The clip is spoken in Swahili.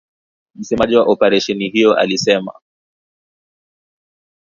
Msemaji wa operesheni hiyo alisema.